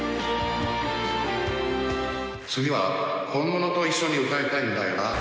次は本物と一緒に歌いたいんだよな。